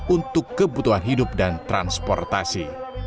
untuk kebutuhan hidup dan transportasi